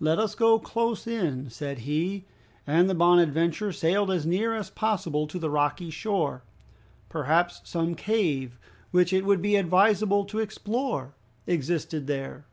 "Let us go close in," said he. And the "Bonadventure" sailed as near as possible to the rocky shore. Perhaps some cave, which it would be advisable to explore, existed there?